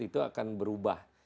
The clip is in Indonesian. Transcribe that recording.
itu akan berubah